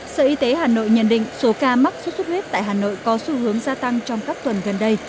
sở y tế hà nội nhận định số ca mắc sốt xuất huyết tại hà nội có xu hướng gia tăng trong các tuần gần đây